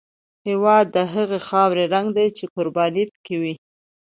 هېواد د هغې خاورې رنګ دی چې قرباني پکې وي.